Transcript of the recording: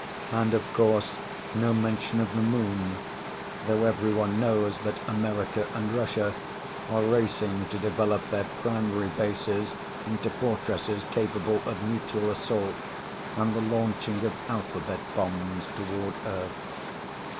And, of course, no mention of the Moon, though everyone knows that America and Russia are racing to develop their primary bases into fortresses capable of mutual assault and the launching of alphabet bombs toward Earth.